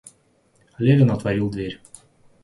Левин отворил дверь.